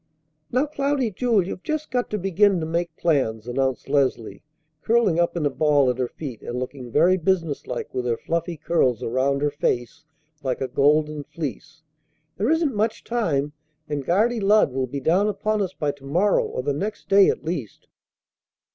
"Now, Cloudy Jewel, you've just got to begin to make plans!" announced Leslie, curling up in a ball at her feet and looking very business like with her fluffy curls around her face like a golden fleece. "There isn't much time, and Guardy Lud will be down upon us by to morrow or the next day at least."